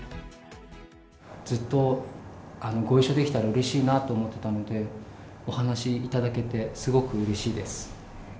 ずっとご一緒できたらうれしいなと思ってたので、お話いただけてすごくうれしいです。